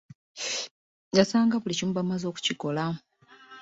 Yasanga buli kimu baamaze okukikola.